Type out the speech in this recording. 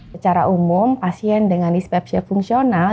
secara umum pasien dengan dispepsia fungsional